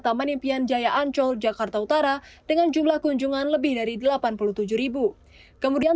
taman impian jaya ancol jakarta utara dengan jumlah kunjungan lebih dari delapan puluh tujuh ribu kemudian